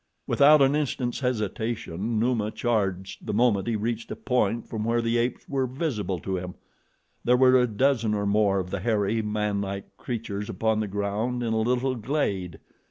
Without an instant's hesitation, Numa charged the moment he reached a point from where the apes were visible to him. There were a dozen or more of the hairy, manlike creatures upon the ground in a little glade.